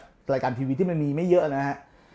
รายการทีวีที่มันมีไม่เยอะนะฮะ